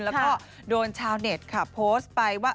แล้วก็โดนชาวเน็ตค่ะโพสต์ไปว่า